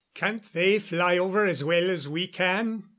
"Can't they fly over as well as we can?"